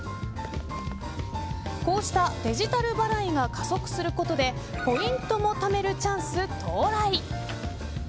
こうしたデジタル払いが加速することでポイントもためるチャンス到来。